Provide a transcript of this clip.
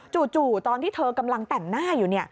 จู่ตอนที่เธอกำลังแต่งหน้าอยู่